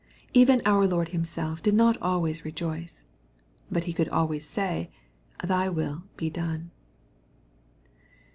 Even our Lord Himself did not always rejoice ; but He could always say, " Thy will be done."